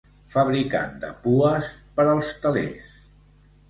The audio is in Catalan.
Fabricant de pues per als telers.